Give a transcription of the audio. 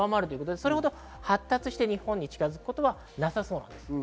発達して日本に近づくことはなさそうです。